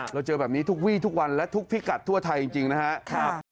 เจอแบบนี้ทุกวี่ทุกวันและทุกพิกัดทั่วไทยจริงนะครับ